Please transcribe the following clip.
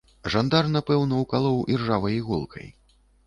Жандар, напэўна, укалоў іржавай іголкай.